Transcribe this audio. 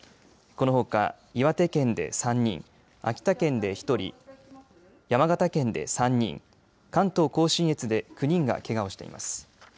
このほか岩手県で３人、秋田県で１人、山形県で３人、関東甲信越で９人がけがをしています。